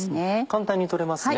簡単に取れますね。